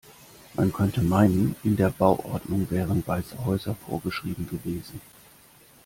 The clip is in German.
Man könnte meinen, in der Bauordnung wären weiße Häuser vorgeschrieben gewesen.